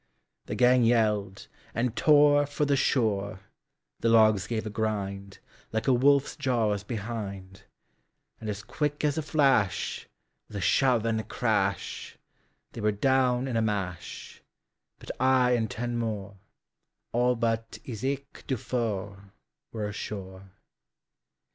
The gang yelled, and toreFor the shore; The logs gave a grind, Like a wolf's jaws behind, And as quick as a flash, With a shove and a crash, They were down in a mash, But I and ten more, All but Isaéc Dufour, Were ashore.